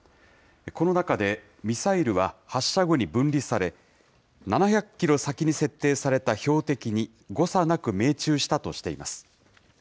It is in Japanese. この中で、ミサイルは発射後に分離され、７００キロ先に設定された標的に誤差なく命中したとしています。